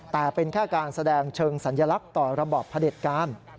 แต่เป็นแค่การแสดงเชิงสัญลักษณ์ต่อระบอบพระเด็จการ